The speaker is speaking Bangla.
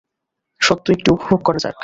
সত্য এটি উপভোগ করা যাক।